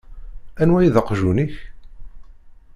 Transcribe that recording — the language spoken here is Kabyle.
Anwa i d aqjun-ik?